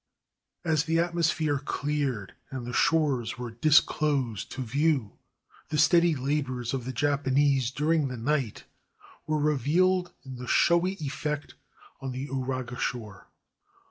] As the atmosphere cleared and the shores were disclosed to view, the steady labors of the Japanese during the night were revealed in the showy effect on the Uraga shore.